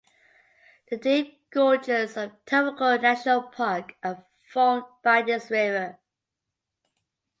The deep gorges of Taroko National Park are formed by this river.